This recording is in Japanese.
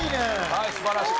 はい素晴らしい。